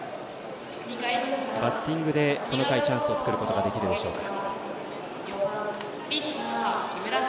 バッティングでこの回チャンスを作ることができるでしょうか。